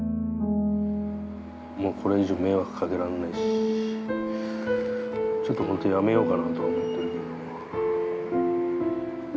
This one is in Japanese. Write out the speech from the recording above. もうこれ以上迷惑かけらんないしちょっとほんとにやめようかなとは思ってるけど。